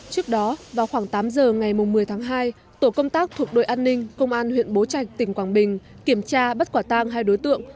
trước đó vào khoảng tám giờ ngày một mươi tháng hai tổ công tác thuộc đội an ninh công an huyện bố trạch tỉnh quảng bình kiểm tra bắt quả tang hai đối tượng